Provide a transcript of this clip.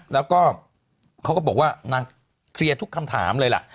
แล้วก็เขาก็บอกว่านางเคลียร์ทุกคำถามเลยล่ะ